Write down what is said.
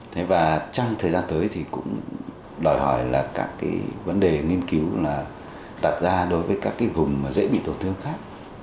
thế và trong thời gian tới thì cũng đòi hỏi là các cái vấn đề nghiên cứu là đặt ra đối với các cái vùng mà dễ bị tổn thương khác